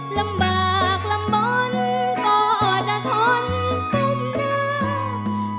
ลำบากลำบ้อนก็จะทนทุ่มงา